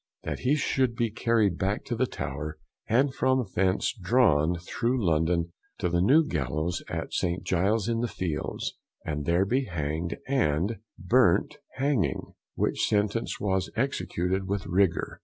_, That he should be carried back to the Tower, and from thence drawn through London to the New Gallows at St. Giles's in the Fields, and there be hanged, and burnt hanging, which Sentence was executed with Rigour.